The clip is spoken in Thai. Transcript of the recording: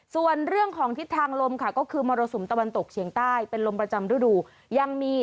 ส่วนเรื่องของทิศทางลมค่ะก็คือมรสุมตะวันตกเฉียงใต้เป็นลมประจำฤดูยังมี